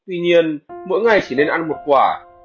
tuy nhiên mỗi ngày chỉ nên ăn một quả